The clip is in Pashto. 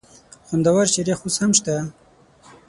خوندور شریخ اوس هم شته؟